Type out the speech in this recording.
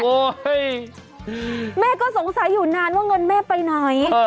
โอ๊ยแม่ก็สงสัยอยู่นานว่าเงินแม่ไปหน่อย